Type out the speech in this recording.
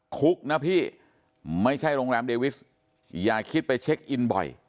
คุกนะพี่ไม่ใช่โรงแรมเดวิสอย่าคิดไปเช็คอินบ่อย